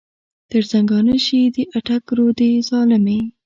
تر زنګانه شې د اټک رودې ظالمې.